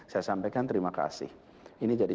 saya sampaikan terima kasih ini jadi